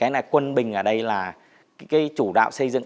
mà cái chủ đạo xây dựng